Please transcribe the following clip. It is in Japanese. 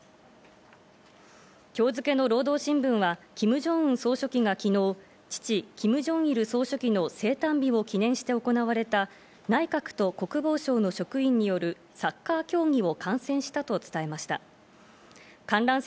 今日付けの労働新聞はキム・ジョンウン総書記が昨日、父キム・ジョンイル総書記の生誕日を記念して行われた内閣と国防省の職員によるサッカー競技を観戦したと伝えました。